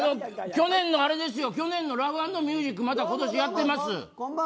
去年のあれですよラフ＆ミュージックまた今年やってます。